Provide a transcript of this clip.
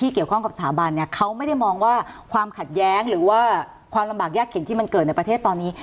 ขัดแย้งหรือว่าความลำบากแยกเก่งที่มันเกิดในประเทศตอนนี้